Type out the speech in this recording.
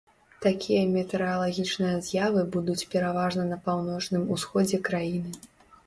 Такія метэаралагічныя з'явы будуць пераважна на паўночным усходзе краіны.